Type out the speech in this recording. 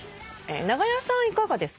長屋さんいかがですか？